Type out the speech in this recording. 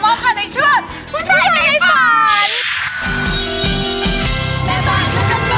แม่บ้านประจำบาน